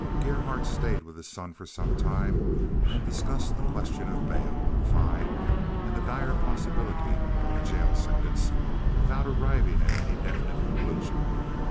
Gerhardt stayed with his son for some time, and discussed the question of bail, fine, and the dire possibility of a jail sentence without arriving at any definite conclusion.